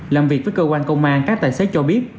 làm việc với cơ quan công an các tài xế cho biết